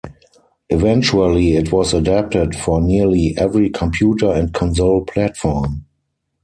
Eventually it was adapted for nearly every computer and console platform.